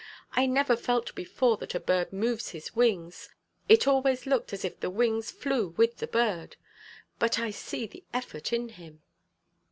I never felt before that a bird moves his wings. It always looked as if the wings flew with the bird. But I see the effort in him."